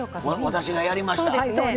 私がやりました